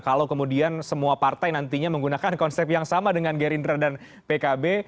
kalau kemudian semua partai nantinya menggunakan konsep yang sama dengan gerindra dan pkb